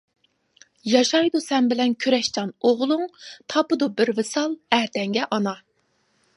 ياشايدۇ سەن بىلەن كۈرەشچان ئوغلۇڭ، تاپىدۇ بىر ۋىسال ئەتەڭگە ئانا !